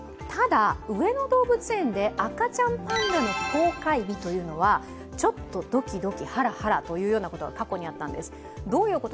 ただ、上野動物園で赤ちゃんパンダの公開日というのはちょっとドキドキハラハラということが過去にあったんです。